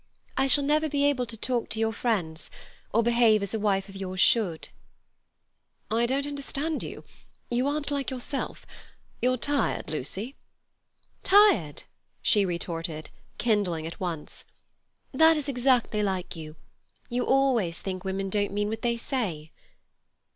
I shall never be able to talk to your friends, or behave as a wife of yours should." "I don't understand you. You aren't like yourself. You're tired, Lucy." "Tired!" she retorted, kindling at once. "That is exactly like you. You always think women don't mean what they say."